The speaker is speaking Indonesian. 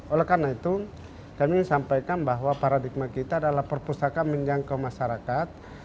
oleh karena itu kami sampaikan bahwa paradigma kita adalah perpustakaan menjangkau masyarakat